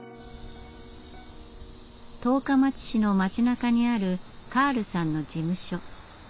十日町市の町なかにあるカールさんの事務所。